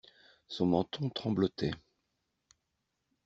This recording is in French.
Son menton tremblotait.